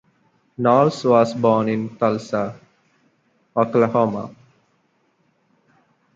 Knowles was born in Tulsa, Oklahoma.